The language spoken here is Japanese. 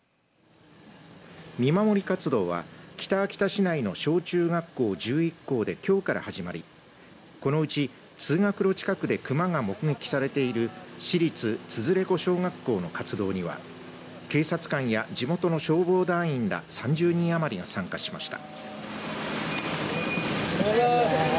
見守り活動は北秋田市内の小中学校１１校できょうから始まりこのうち通学路近くで熊が目撃されている市立綴子小学校の活動には警察官や地元の消防団員ら３０人余りが参加しました。